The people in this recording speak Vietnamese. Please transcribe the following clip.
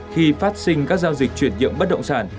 khi phát sinh các giao dịch chuyển nhượng bất động sản